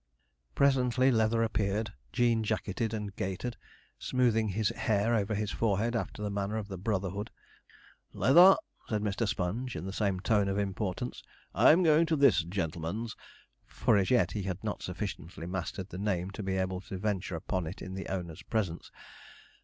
Presently Leather appeared, jean jacketed and gaitered, smoothing his hair over his forehead, after the manner of the brotherhood. 'Leather,' said Mr. Sponge, in the same tone of importance, 'I'm going to this gentleman's'; for as yet he had not sufficiently mastered the name to be able to venture upon it in the owner's presence.